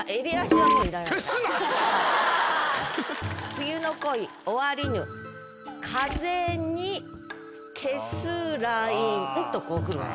「冬の恋終わりぬ風に消すＬＩＮＥ」とこうくるわけ。